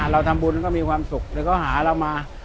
เราทำบุญก็มีความสุขเดี๋ยวเขาหาเรามา